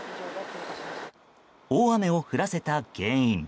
大雨を降らせた原因。